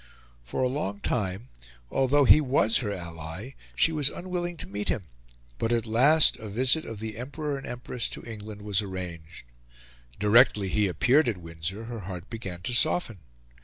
For a long time, although he was her ally, she was unwilling to meet him; but at last a visit of the Emperor and Empress to England was arranged. Directly he appeared at Windsor her heart began to soften.